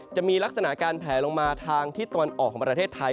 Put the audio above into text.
จะมีลักษณะการแผลลงมาทางทิศตะวันออกของประเทศไทย